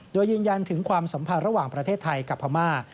โดยยืนยันถึงความสัมพันธ์ระหว่างประเทศไทยกับพม่า